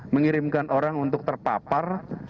mengirimkan orang untuk terpapar